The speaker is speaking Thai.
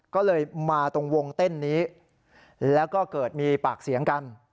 ก็เลยมาตรงวงเต้นนี้แล้วก็เกิดมีปากเสียงกัน